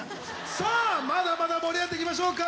さあまだまだ盛り上がっていきましょうか！